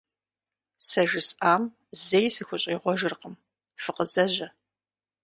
Сэ жысӀам зэи сыхущӀегъуэжыркъым, фыкъызэжьэ!